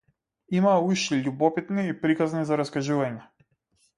Имаа уши љубопитни и приказни за раскажување.